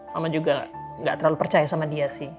mama juga gak terlalu percaya sama dia sih